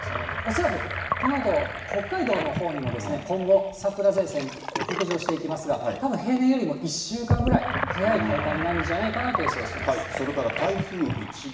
恐らくこのあと、北海道のほうにも今後、桜前線北上していきますが、たぶん平年よりも１週間ぐらい、早い開花になるんじゃないかなと予想してます。